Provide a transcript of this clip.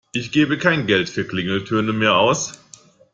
Ich gebe kein Geld für Klingeltöne mehr aus.